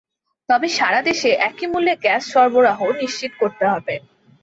তবে সারা দেশে একই মূল্যে গ্যাস সরবরাহ নিশ্চিত করতে হবে।